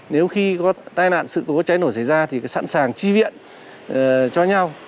nếu khi có tai nạn sự cố cháy nổ xảy ra thì sẵn sàng chi viện cho nhau